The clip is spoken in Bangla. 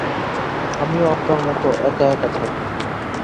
আমিও আপনার মতো একা-একা থাকি।